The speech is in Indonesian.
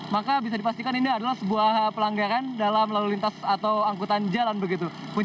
maka bisa dipastikan ini adalah sebuah pelanggaran dalam lalu lintas atau angkutan jalan begitu